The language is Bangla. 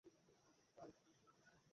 দয়া করে, শোন।